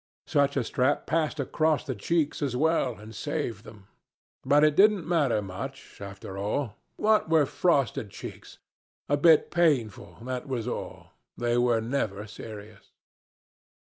Such a strap passed across the cheeks, as well, and saved them. But it didn't matter much, after all. What were frosted cheeks? A bit painful, that was all; they were never serious.